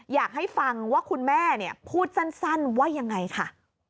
อยากให้ฟังว่าคุณแม่พูดสั้นว่ายังไงค่ะ